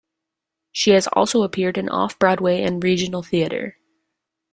She has also appeared in off-Broadway and regional theater.